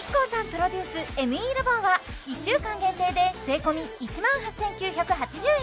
プロデュースＭＥラボンは１週間限定で税込１万８９８０円